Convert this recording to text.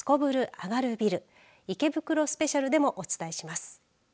アガるビル池袋スペシャルでもお伝えします。